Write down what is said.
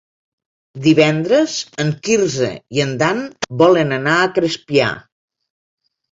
Divendres en Quirze i en Dan volen anar a Crespià.